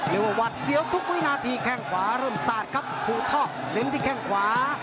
เลวาวัดเสี่ยวทุกมินาทีแค่งขวาเริ่มซาดภูทอกเล้นที่แค่งขวา